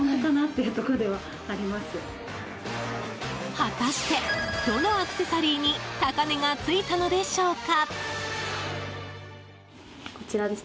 果たして、どのアクセサリーに高値がついたのでしょうか。